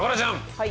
はい。